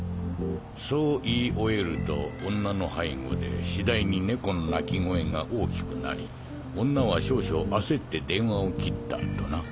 「そう言い終えると女の背後で次第に猫の鳴き声が大きくなり女は少々焦って電話を切った」とな。